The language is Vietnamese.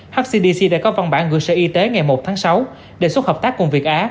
hcdc đã có văn bản gửi sở y tế ngày một tháng sáu đề xuất hợp tác cùng việt á